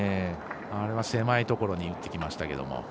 狭いところに打ってきましたけれども。